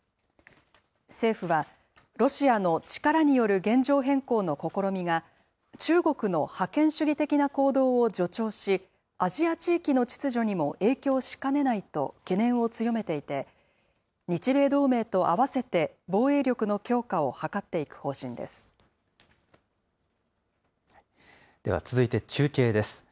政府は、ロシアの力による現状変更の試みが、中国の覇権主義的な行動を助長し、アジア地域の秩序にも影響しかねないと懸念を強めていて、日米同盟と合わせて防衛力の強化を図っていく方針です。